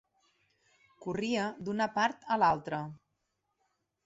Corria d'una part a l'altra.